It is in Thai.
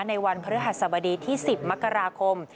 ในวันพฤหัสบดีที่๑๐มกราคม